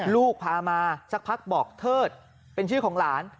ลูกพามาสักพักบอกเทิดเป็นชื่อของหลาน